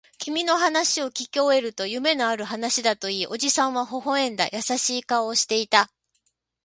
君の話をきき終えると、夢のある話だと言い、おじさんは微笑んだ。優しい顔をしていた。